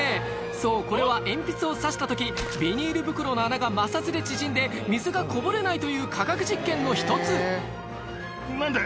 そうこれは鉛筆を刺した時ビニール袋の穴が摩擦で縮んで水がこぼれないという科学実験の１つ「何で？